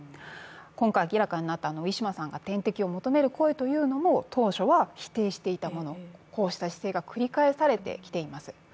今回明らかになったウィシュマさんが点滴を求める声というのも当初は否定していたもの、こうした姿勢が繰り返されています。